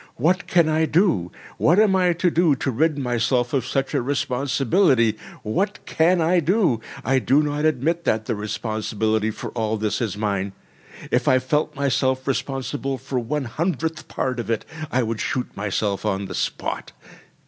What can I do? What am I to do to rid myself of such a responsibility? What can I do? I do not admit that the responsibility for all this is mine. If I felt myself responsible for one hundredth part of it, I would shoot myself on the spot.